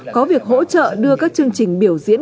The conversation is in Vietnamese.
có việc hỗ trợ đưa các chương trình biểu diễn